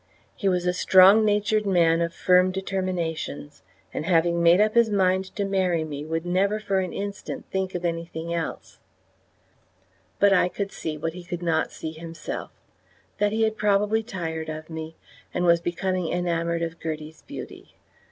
He was a strong natured man of firm determinations, and having made up his mind to marry me would never for an instant think of anything else; but I could see what he could not see himself that he had probably tired of me, and was becoming enamoured of Gertie's beauty.